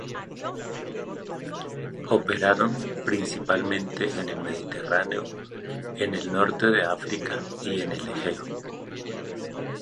Operaron principalmente en el Mediterráneo, en el Norte de África y en el Egeo.